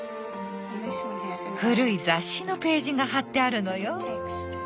古い雑誌のページが貼ってあるのよ。